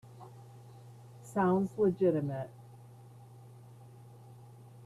Sounds legitimate.